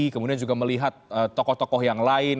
kemudian juga melihat tokoh tokoh yang lain